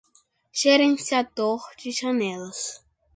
gerenciador de janelas